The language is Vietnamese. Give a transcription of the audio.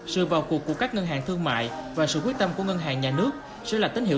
sự vào cuộc của các ngân hàng thương mại và sự quyết tâm của ngân hàng nhà nước sẽ là tín hiệu